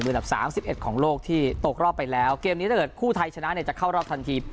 ดับสามสิบเอ็ดของโลกที่ตกรอบไปแล้วเกมนี้ถ้าเกิดคู่ไทยชนะเนี่ยจะเข้ารอบทันที